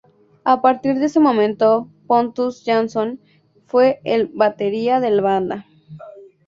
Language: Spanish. A partir de ese momento Pontus Jansson fue el batería de la banda.